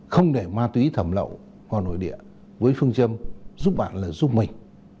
không để ma túy thẩm lậu vào nội địa với phương châm giúp bạn lời giúp mình